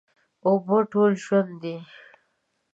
اوبه ټول ژوند دي.